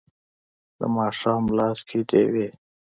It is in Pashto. د ماښام لاس کې ډیوې